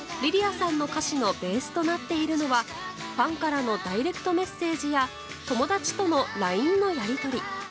さんの歌詞のベースとなっているのはファンからのダイレクトメッセージや友達とのＬＩＮＥのやり取り。